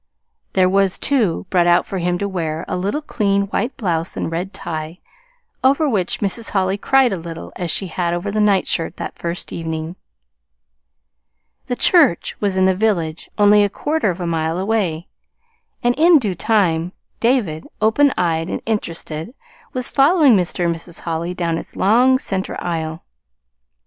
There was, too, brought out for him to wear a little clean white blouse and a red tie, over which Mrs. Holly cried a little as she had over the nightshirt that first evening. The church was in the village only a quarter of a mile away; and in due time David, open eyed and interested, was following Mr. and Mrs. Holly down its long center aisle.